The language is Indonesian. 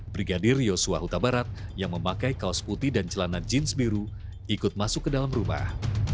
brigadir yosua huta barat yang memakai kaos putih dan celana jeans biru ikut masuk ke dalam rumah